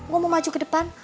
mau maju ke depan